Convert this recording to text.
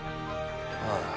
ああ。